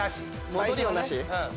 戻りはなし。